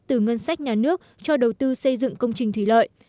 từ ngân sách nhà nước cho đầu tư xây dựng công trình thủy lợi